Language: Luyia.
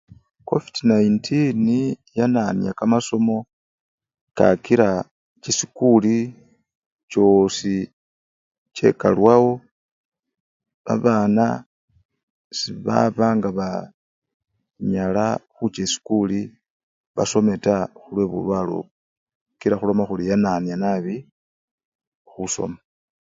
Covidi-19 yaniania nabii kamasomo kakila chisikuli chosi chekalwawo, babana sebaba nga banyala khucha esikuli basome taa khulwe obwo kila khuloma khuri yaniania nabii khusoma.